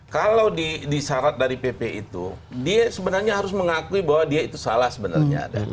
kalau disarat dari pp itu dia sebenarnya harus mengakui bahwa dia itu salah sebenarnya